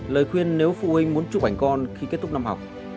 lời khuyên nếu phụ huynh muốn chụp ảnh con khi kết thúc năm học